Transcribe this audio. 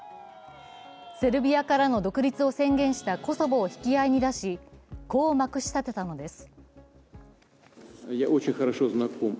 セルビアからの独立を宣言したコソボを引き合いに出し、こうまくし立てたのです。